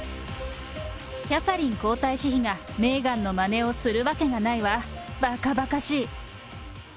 キャサリン皇太子妃がメーガンのまねをするわけがないわ、ばかばかしい。